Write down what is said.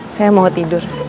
saya mau tidur